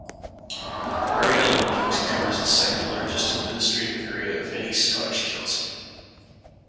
Argyll and Bute covers the second largest administrative area of any Scottish council.